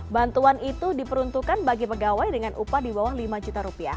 bantuan itu diperuntukkan bagi pegawai dengan upah di bawah lima juta rupiah